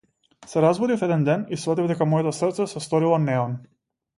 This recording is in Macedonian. Се разбудив еден ден и сфатив дека моето срце се сторило неон.